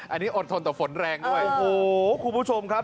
อันนี้อดทนต่อฝนแรงด้วยโอ้โหคุณผู้ชมครับ